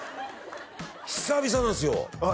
久々なんですよああ